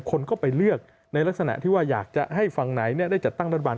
คนก็ไปเลือกในลักษณะที่ว่าอยากจะให้ฝั่งไหนได้จัดตั้งรัฐบาล